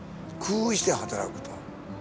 工夫して働くと。